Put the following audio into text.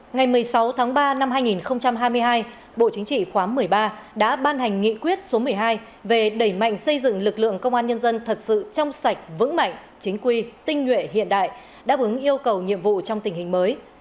ngày một mươi sáu tháng ba năm hai nghìn hai mươi hai bộ chính trị khóa một mươi ba đã ban hành nghị quyết số một mươi hai về đẩy mạnh xây dựng lực lượng công an nhân dân thật sự trong sạch vững mạnh chính quy tinh nhuệ hiện đại đáp ứng yêu cầu nhiệm vụ trong tình hình mới